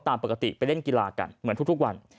ตามปกติไปเล่นกีฬากันเหมือนทุกวัน